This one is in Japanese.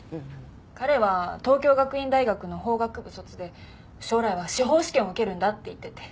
彼は東京学院大学の法学部卒で将来は司法試験を受けるんだって言ってて。